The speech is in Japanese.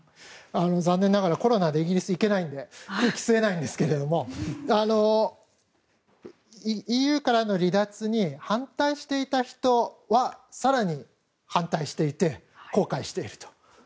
残念ながらコロナでイギリスに行けないので空気が吸えないんですがＥＵからの離脱に反対していた人は更に反対していて後悔していると。